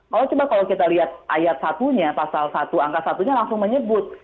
kalau coba kalau kita lihat ayat satunya pasal satu angka satunya langsung menyebut